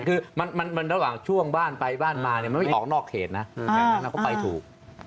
คือมันระหว่างช่วงบ้านไปบ้านมาเนี่ยมันไม่ออกนอกเขตนะแบบนั้นเราก็ไปถูก